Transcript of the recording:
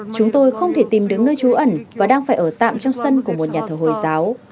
chúng tôi không thể tìm được nơi trú ẩn và đang phải ở tạm trong sân của một nhà thờ hồi giáo